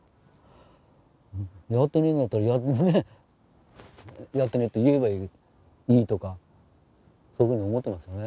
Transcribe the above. やってないんだったらやってないって言えばいいとかそういうふうに思ってますよね。